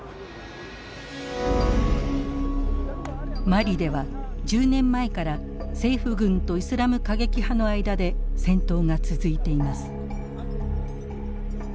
マリでは１０年前から政府軍とイスラム過激派の間で戦闘が続いています。